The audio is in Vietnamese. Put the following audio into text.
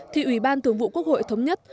thì ủy ban thượng vụ quốc hội thống nhất